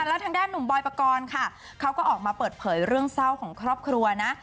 แล้วทางด้านหนุ่มบอยปกรณ์ค่ะเขาก็ออกมาเปิดเผยเรื่องเศร้าของครอบครัวนะ